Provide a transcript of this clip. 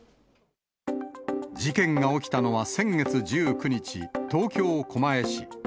事件が起きたのは先月１９日、東京・狛江市。